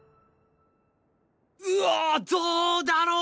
うぉどうだろう？